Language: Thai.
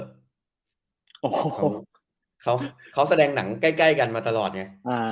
โอ้โหเขาแสดงหนังใกล้กันมาตลอดไง